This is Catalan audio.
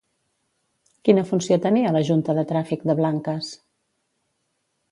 Quina funció tenia la Junta de Tràfic de Blanques?